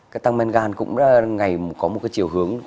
cái tăng men gan cũng ngày có một cái chiều hướng